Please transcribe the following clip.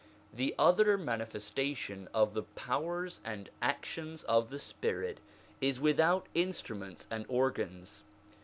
The other manifestation of the powers and actions of the spirit is without instruments and organs.